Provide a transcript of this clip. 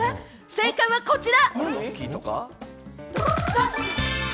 正解はこちら！